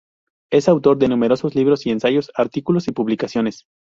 Es autor de numerosos libros, ensayos, artículos y publicaciones.